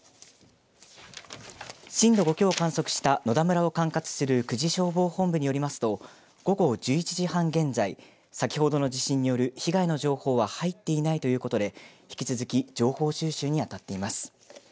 震度５強を観測した野田村を管轄する久慈消防本部によりますと午後１１時半現在先ほどの地震による被害の情報は入っていないということで引き続き情報収集にあたっています。